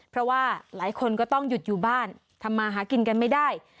เพราะว่าหลายคนก็ต้องหยุดอยู่บ้านทำมาหากินกันไม่ได้